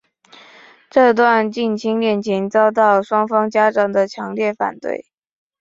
这段近亲恋情遭到双方家长的强烈反对。